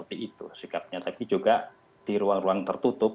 sikapnya tapi juga di ruang ruang tertutup